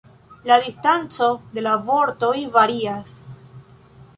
La distanco de la vortoj varias.